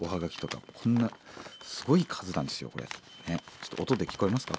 ちょっと音で聞こえますか？